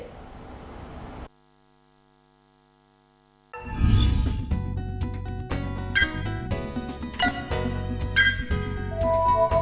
cảnh sát điều tra bộ công an